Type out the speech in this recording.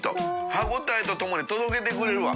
仿瓦燭┐ともに届けてくれるわ。